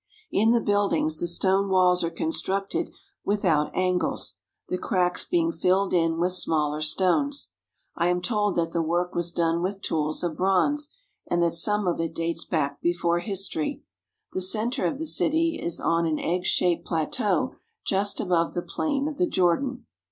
In the buildings the stone walls are constructed without angles, the cracks being filled in with smaller stones. I am told that the work was done with tools of bronze, and that some of it dates back before history. The centre of the city is on an egg shaped plateau just above the plain of the Jordan.